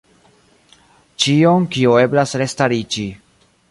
Ĉion, kio eblas restariĝi.